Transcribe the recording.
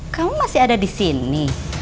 kamu masih ada disini